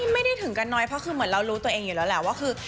ไม่ได้ถึงกันน้อยเพราะคือเหมือนเรารู้ตัวเองอยู่แล้วแหละว่าคือ